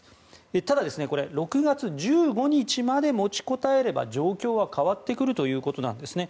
ただ６月１５日まで持ちこたえれば状況は変わってくるということなんですね。